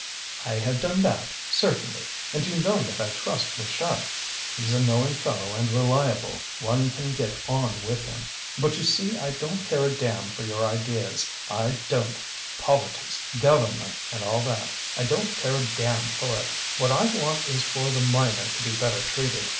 "I have done that, certainly! and you know that I trust Pluchart; he's a knowing fellow and reliable, one can get on with him. But you see I don't care a damn for your ideas, I don't! Politics, Government, and all that, I don't care a damn for it! What I want is for the miner to be better treated.